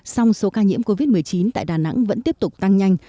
song số ca nhiễm covid một mươi chín tại đà nẵng vẫn tiếp tục tăng nhanh